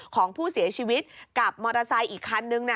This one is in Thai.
ของผู้เสียชีวิตกับมอเตอร์ไซค์อีกคันนึง